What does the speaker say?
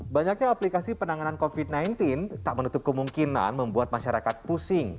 banyaknya aplikasi penanganan covid sembilan belas tak menutup kemungkinan membuat masyarakat pusing